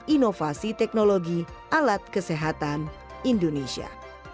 inovasi teknologi alat kesehatan indonesia